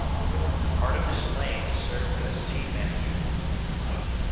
Artemus Lane served as team manager.